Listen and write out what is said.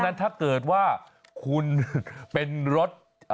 หรือว่าคุณเป็นรถ